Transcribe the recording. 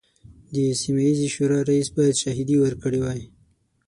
د سیمه ییزې شورا رئیس باید شاهدې ورکړي وای.